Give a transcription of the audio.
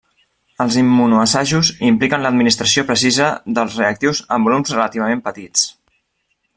Els immunoassajos impliquen l'administració precisa dels reactius en volums relativament petits.